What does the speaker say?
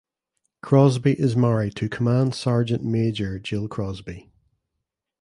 Crosby is married to Command Sergeant Major Jill Crosby.